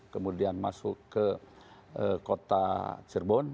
kemudian masuk ke kota cirebon